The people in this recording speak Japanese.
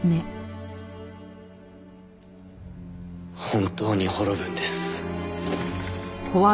本当に滅ぶんです。